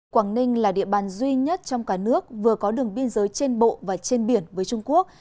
quảng ninh là địa bàn duy nhất trong cả nước vừa có đường biên giới trên bộ và trên biển với trung quốc